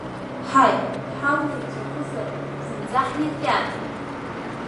Ҳаи, ԥҳалла иҵәахызар, зынӡа ҳиркьаҭеит!